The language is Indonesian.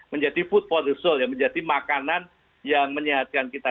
menjadi food for the soul ya menjadi makanan yang menyehatkan kita